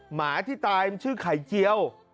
หมาที่ตายมันชื่อไข่เจียว